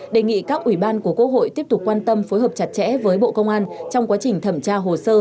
đề nghị các ủy ban của quốc hội tiếp tục quan tâm phối hợp chặt chẽ với bộ công an trong quá trình thẩm tra hồ sơ